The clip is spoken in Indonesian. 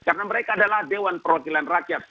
karena mereka adalah dewan perwakilan rakyat